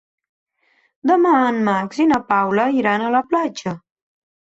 Demà en Max i na Paula iran a la platja.